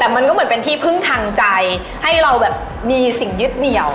แต่มันก็เหมือนเป็นที่พึ่งทางใจให้เราแบบมีสิ่งยึดเหนียว